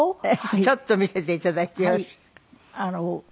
ちょっと見せていただいてよろしいですか？